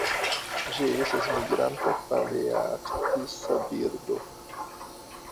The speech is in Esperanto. Ĝi estas migranta palearktisa birdo.